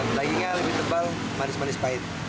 dagingnya lebih tebal manis manis pahit